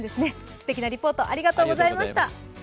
すてきなリポートありがとうございました。